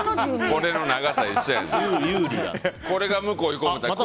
これの長さ、一緒やねん。